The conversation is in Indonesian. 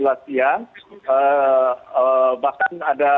bahkan ada apa namanya